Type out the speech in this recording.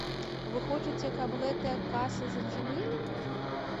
Вы хочаце, каб гэтыя касы зачынілі?